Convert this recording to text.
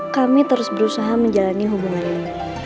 kami terus berusaha menjalani hubungan ini